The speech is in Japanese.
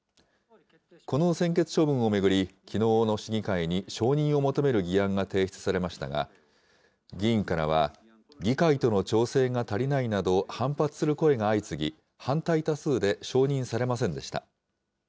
この専決処分を巡り、きのうの市議会に承認を求める議案が提出されましたが、議員からは、議会との調整が足りないなど、反発する声が相次ぎ、反対多数で承認されませんでした。